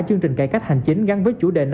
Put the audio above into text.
chương trình cải cách hành chính gắn với chủ đề